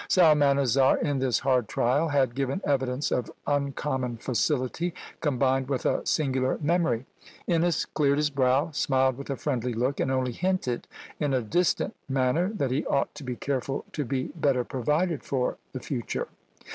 Psalmanazar, in this hard trial, had given evidence of uncommon facility, combined with a singular memory. Innes cleared his brow, smiled with a friendly look, and only hinted in a distant manner that he ought to be careful to be better provided for the future!